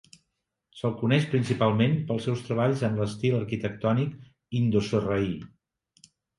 Se'l coneix principalment pels seus treballs en l'estil arquitectònic indo-sarraí.